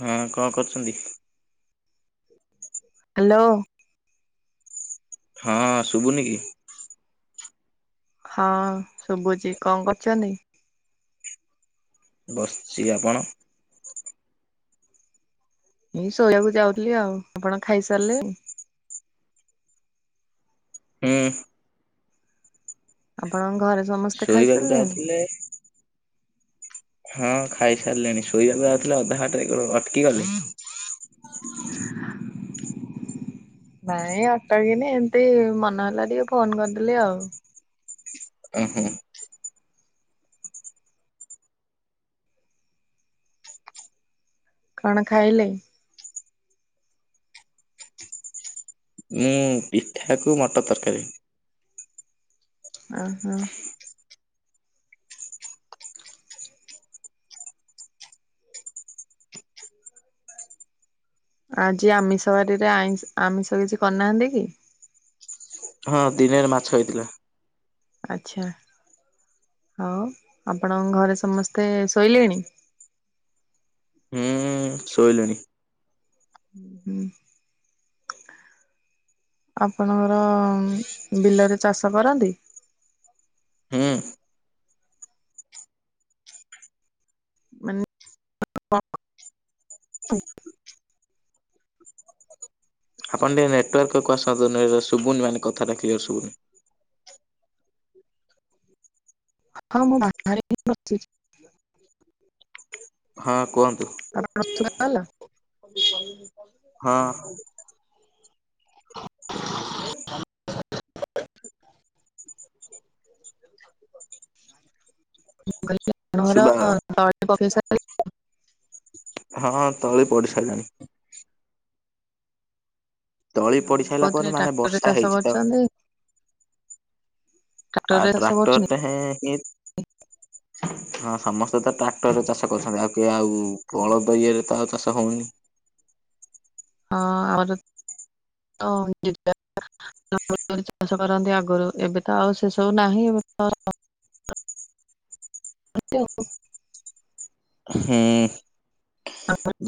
ହଁ କଣ କରୁଛନ୍ତି? ହ୍ୟାଲୋ। ହଁ ଶୁଗୁନି କି? ହଁ ଶୁଗୁଛି କଣ କରୁଛନ୍ତି? ବସିଛି ଆପଣ। ଏଇ ଶୋଳିଆକୁ ଯାଉଥିଲି ଆଉ ଆପଣ ଖାଇସାରିଲେଣି। ହୁଁ। ଆପଣଙ୍କ ଘରେ ସମସ୍ତେ ଶୋଇବାକୁ ଖାଇସାରିଲେଣି। ଯାଉଥିଲେ ହଁ ଖାଇସାରିଲେଣି ଶୋଇବାକୁ ଯାଉଥିଲେ ଅଧାବାଟରେ ଗୋ ଅଟକି ଗଲି। ହଁ। [unintelligible] ନାଇଁ ଅଟକିନି ଏମିତି ମନେହଲା ଟିକେ ଫୋନ କରିଦେଲିି ଆଉ। ହଁ ହୁଁ। କଣ ଖାଇଲେ? ମୁଁ ପିଠାକୁ ମଟର ତରକାରୀ। ଓହୋ [unintelligible] ଆଜି ଆମିଷ ବାରିରେ ଆଇଁ ଆମିଷ କିଛି କରିନାହାନ୍ତି କି? ହଁ ଦିନରେ ମାଛ ହେଇଥିଲା। ଆଚ୍ଛା ଆଉ ଆପଣଙ୍କ ଘରେ ସମସ୍ତେ ଶୋଇଲେଣି। ହୁଁ ଶୋଇଲେଣି। ହୁଁ ହୁଁ। ଆପଣଙ୍କର ଉଁ ବିଲରେ ଚାଷ କରନ୍ତି? ହୁଁ ମାନେ [unintelligible] ଆପଣ ଟିକେ ନେଟୱାର୍କକୁ ଆସନ୍ତୁ ସୁବୁନି ମାନେ କଥାଟା କ୍ଲିୟର ସୁବୁନୀ। ହଁ ମୁଁ ବାହାରେ ହିଁ ବସିଚି। ହଁ କୁହନ୍ତୁ? ଏଥର ଶୁବା ଗଲା? [unintelligible] ହଁ। [unintelligible] [inaudible] ମୁଁ କହିଲି [unintelligible] ଶୁଭାଗଲା ସାରିଲେଣି? ହଁ ତଳି ପଡ଼ି ସାରିଲାଣି। ତଳି ହଁ ପଡି ସାରିଲା କହୁଥିଲେ ପରେ ମାନେ ଟ୍ରାକ୍ଟରରେ ବର୍ଷା ଚାଷ ହେଇଚି ତ କରୁଛନ୍ତି ଆ ଟ୍ରାକ୍ଟରରେ ଚାଷ କରୁଛନ୍ତି ଟ୍ରାକ୍ଟରଟେ ହେଁ ହଁ ସମସ୍ତେ ତ ଟ୍ରାକ୍ଟରରେ ଚାଷ କରୁଛନ୍ତି ଆଉ କିଏ ଆଉ ବଳଦ ଇଏରେ ଆଉ ଚାଷ ହଉନି। ହଁ ଆମର ତ [unintelligible] ବଳଦ ଚାଷ କରନ୍ତି ଆଗରୁ ଏବେ ତ ଆଉ ସେ ସବୁ ନାହିଁ [unintelligible] ହୁଁ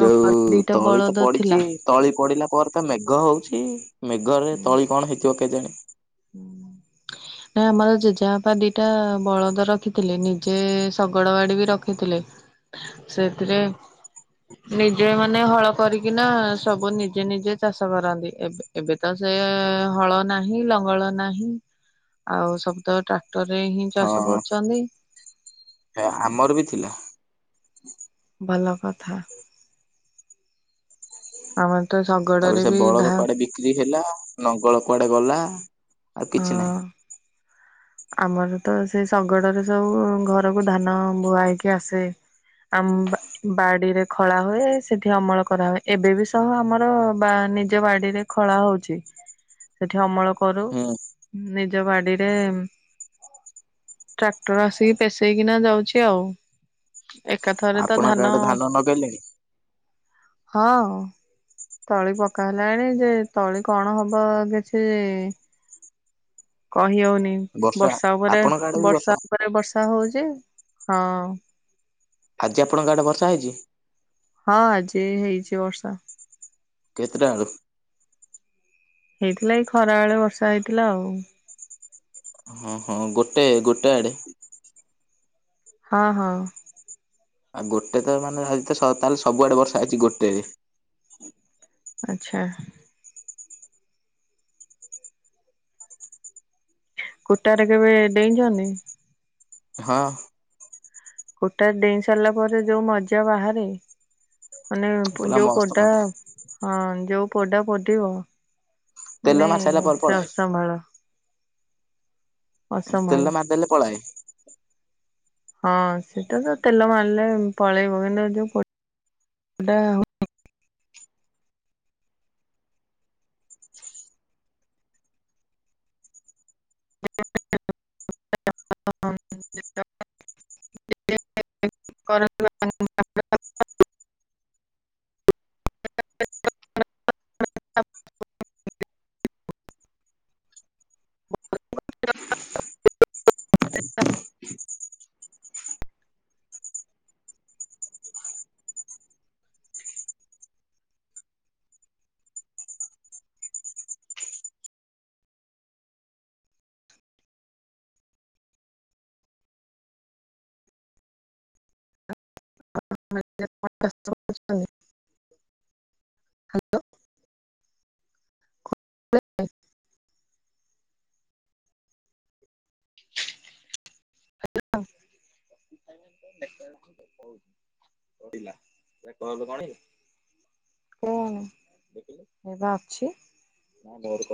ଯୋଉ ଦିଟା ତଳି ତ ବଳଦ ଥିଲା। ପଡିଚି ତଳି ପଡିଲା ପରେ ତ ମେଘ ହଉଚି ମେଘରେ ତଳି କଣ ହେଇଥିବ କେଜାଣି? [inaudible] ନା ଆମର ଜେଜେବାପା ଦିଟା ବଳଦ ରଖିଥିଲେ ନିଜେ ଶଗଡ ଗାଡି ବି ରଖି ଥିଲେ ସେଥିରେ ନିଜେ ମାନେ ହଳ କରିକିନା ସବୁ ନିଜେ ନିଜେ ଚାଷ କରନ୍ତି ଏବେ ଏବେ ତ ସେ ହଳ ନାହିଁ ଲ ଙ୍ଗଳ ନାହିଁ ଆଉ ସବୁତ ଟ୍ରାକ୍ଟର ରେ ହିଁ ଚାଷ ହଁ କରୁଛନ୍ତି। ଆମର ବି ଥିଲା। ଭଲ କଥା। ଆମର ତ ଶଗଡ଼ରେ ବି ଧା ବିକ୍ରୀ ହେଲା ନଙ୍ଗଳ କୁଆଡେ ଗଲା ଆଉ ହଁ କିଛି ନାହିଁ। ଆମର ତ ସେ ଶଗଡରେ ସବୁ ଘରକୁ ଧାନ ବୁହା ହେଇକି ଆସେ। ଆ ମ୍ବା ବାଡିରେ ଖଳା ହୁଏ ସେଠି ଅମଳ କରାହୁଏ ଏବେ ବି ସହ ଆମର ବା ନିଜ ବାଡିରେ ଖଳା ହଉଚି ସେଠି ଅମଳ କରୁ ହୁଁ। ନିଜ ବାଡିରେ ଉଁ ଟ୍ରାକ୍ଟର ଆସିକି ପସେଇକିନା ଯାଉଛି ଆଉ। ଏକାଥରେ ତ ଆପଣଙ୍କ ଧାନ ଆଡେ ଲଗେଇଲେଣି ଅ ହଁ ତଳି ପକା ହେଲାଣି ଯେ ତଳି କଣ ହବ କିଛି କହି ହଉନି ବର୍ଷା ଉପରେ ଆପଣଙ୍କ ଆଡେ ବି ବର୍ଷା ଉପରେ ବର୍ଷା ହଉଛି ହଁ ଆଜି ଆପଣଙ୍କ ଆଡ଼େ ବର୍ଷା ହେଇଛି? ହଁ! ଆଜି ହେଇଛି ବର୍ଷା! କେତେଟା ବେଳୁ? ହେଇଥିଲା? ଏଇ ଖରା ବେଳେ ବର୍ଷା ହେଇଥିଲା ଆଉ! ହଁ ହଁ! ଗୋଟେ ଗୋଟେ ଆଡେ? ହଁ ହଁ! ଆଉ ଗୋଟେ ତ ମାନେ! ଆଜି ତ ତାହେଲେ ସବୁଆଡ଼େ ବର୍ଷା ହେଇଛି ଗୋଟେରେ! ଆଚ୍ଛା! କୁଟା ରେ! କେବେ ଡେଇଛନ୍ତି? ହଁ! କୁଟା ରେ! ଡେଇଁ ସାରିଲା ପରେ ଯୋଉ ମଜା ବାହାରେ! ମାନେ? ପୁରା ଯୋଉ ମସ୍ତ ପୋଡ଼ା ମଜା ହଁ ଯୋଉ ପୋଡ଼ା ପଡିବ? ତେଲ ମାନେ! ମାରି ସାରିଲା ପରେ ସେ ପଳାଏ ଅସମ୍ଭାଳ! ଅସମ୍ଭାଳ ତେଲ ମାରିଦେଲେ! ପଲାଏ! ହଁ! ସେଟା ତ ତେଲ ମାରିଲେ ପଳେଇବ କିନ୍ତୁ? ଯୋଉ ପୋଡ଼ା! [unintelligible] [unintelligible] ହଁ! ହଁ! ପଡିଲା! ଏ କହୁନ କଣ କି? ହୁଁ! ଦେଖିଲୁ ଏ ପା ଅଛି! ବନ୍ଦ କର!